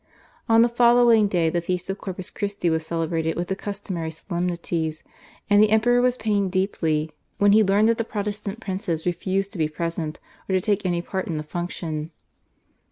On the following day the feast of Corpus Christi was celebrated with the customary solemnities, and the Emperor was pained deeply when he learned that the Protestant princes refused to be present or to take any part in the function.